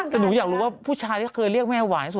แต่หนูอยากรู้ว่าผู้ชายที่เคยเรียกแม่หวายสุด